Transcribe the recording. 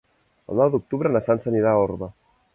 El nou d'octubre na Sança anirà a Orba.